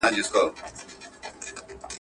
د پلار اشنا د زوی کاکا !.